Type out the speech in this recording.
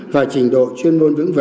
và trình độ chuyên